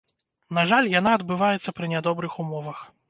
На жаль, яна адбываецца пры нядобрых умовах.